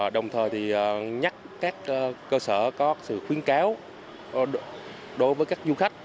đồng thời thì nhắc các cơ sở có sự khuyến cáo đối với các du khách